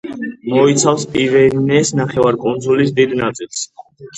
მოიცავს პირენეს ნახევარკუნძულის დიდ ნაწილს.